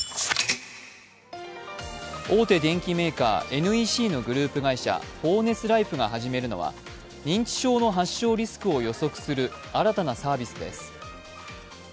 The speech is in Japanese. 大手電機メーカー・ＮＥＣのグループ会社、フォーネスライフが始めるのは認知症の発症リスクを予想する新たなサービスです。